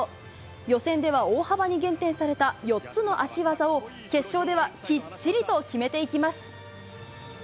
予選では大幅に減点された４つの足技を、決勝ではきっちりと決めていきます。